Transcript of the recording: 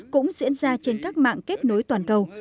cũng diễn ra trên các mạng kết nối toàn cầu